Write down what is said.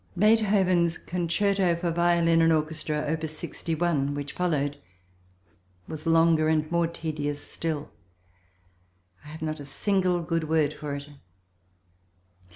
Beethoven's Concerto for violin and orchestra (op. 61) which followed was longer and more tedious still. I have not a single good word for it.